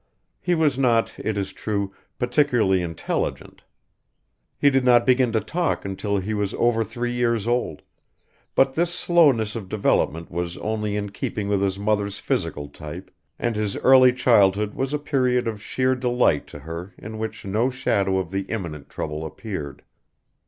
He was not, it is true, particularly intelligent. He did not begin to talk until he was over three years old; but this slowness of development was only in keeping with his mother's physical type, and his early childhood was a period of sheer delight to her in which no shadow of the imminent trouble appeared.